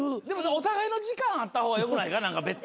でもお互いの時間あった方がよくないか？